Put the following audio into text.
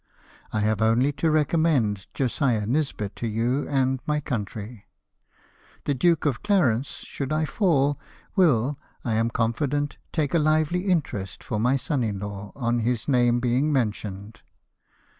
I have only to recommend Josiah Nisbet to you and my country. The Duke of Clarence, should I fall, will, I am confident, take a Hvely interest for my son in law, on his name being mentioned."